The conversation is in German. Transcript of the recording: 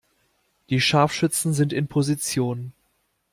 Die Scharfschützen sind in Position.